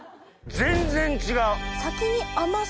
全然違う。